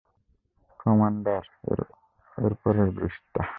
Commander, এরপরের ব্রিজটা!